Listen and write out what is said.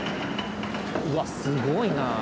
うわすごいなあ。